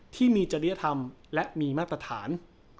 ที่มีจริยธรรมและมีมาตรฐาน